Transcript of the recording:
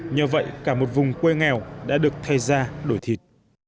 nhờ vậy cả một vùng quê nghèo đã được thay ra đổi thịt